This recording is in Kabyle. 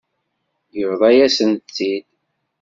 Yebḍa-yasent-t-id.